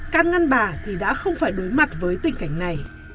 can ngăn bà thì đã không phải đối mặt với tình cảnh này